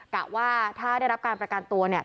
กะว่าถ้าได้รับการประกันตัว